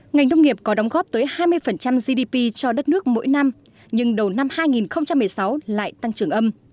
ngành nông nghiệp có đóng góp tới hai mươi gdp cho đất nước mỗi năm nhưng đầu năm hai nghìn một mươi sáu lại tăng trưởng âm